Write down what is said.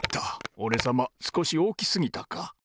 おれさますこしおおきすぎたか。